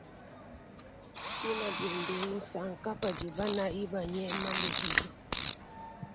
Tina biende ngusanka padi banayi banyema lubilu.